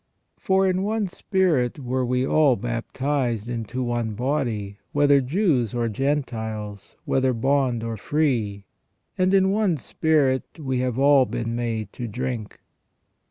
For in one spirit were we all baptized into one body, whether Jews or Gentiles, whether bond or free : and in one spirit we have all been made to drink